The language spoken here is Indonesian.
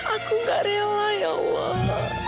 aku gak rela ya allah